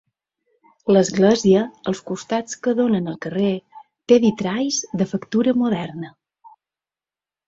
L'església, els costats que donen al carrer, té vitralls de factura moderna.